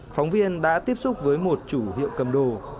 phóng viên đã tiếp xúc với một chủ hiệu cầm đồ